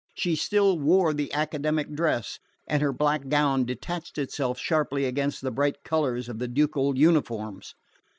She still wore the academic dress, and her black gown detached itself sharply against the bright colours of the ducal uniforms.